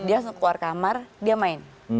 dia keluar kamar dia main